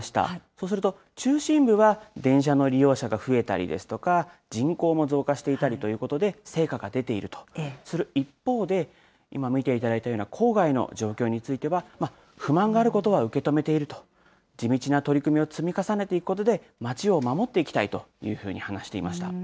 そうすると、中心部は電車の利用者が増えたりですとか、人口も増加していたりということで成果が出ているとする一方で、今見ていただいたような郊外の状況については、不満があることは受け止めていると、地道な取り組みを積み重ねていくことで、町を守っていきたいというふうに話していました。